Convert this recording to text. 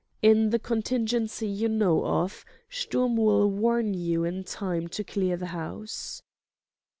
In the contingency you know of, Sturm will warn you in time to clear the house."